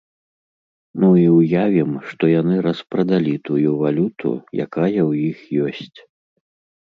Ну і ўявім, што яны распрадалі тую валюту, якая ў іх ёсць.